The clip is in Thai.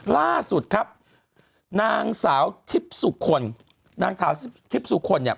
ล่าสุดครับนางสาวทิพย์สุคลนางสาวทิพย์สุคลเนี่ย